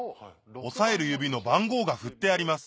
押さえる指の番号が振ってあります